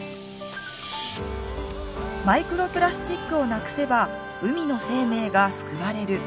「マイクロプラスティックをなくせば海の生命が救われる」。